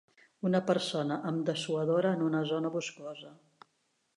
Una persona amb dessuadora en una zona boscosa.